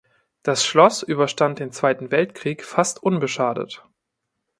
Das Schloss überstand den Zweiten Weltkrieg fast unbeschadet.